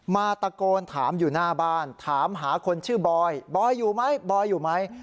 มาตะโกนถามอยู่หน้าบ้านถามหาคนชื่อบอยบอยอยู่ไหมบอยอยู่ไหม